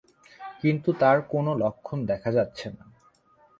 কিন্তু তার কোনো লক্ষণ দেখা যাচ্ছে না।